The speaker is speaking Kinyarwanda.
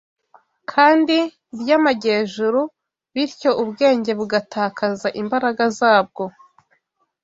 kandi by’amajyejuru bityo ubwenge bugatakaza imbaraga zabwo